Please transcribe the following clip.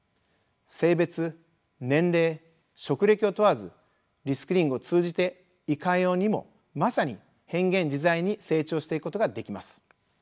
性別・年齢・職歴を問わずリスキリングを通じていかようにもまさに変幻自在に成長していくことができます。